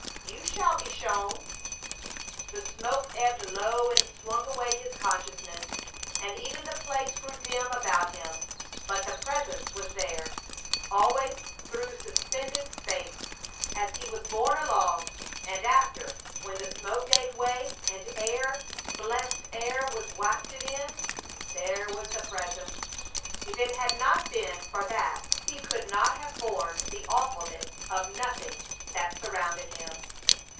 "You shall be shown." The smoke ebbed low and swung away his consciousness, and even the place grew dim about him, but the Presence was there. Always through suspended space as he was borne along, and after, when the smoke gave way, and air, blessed air, was wafted in, there was the Presence. If it had not been for that he could not have borne the awfulness of nothing that surrounded him.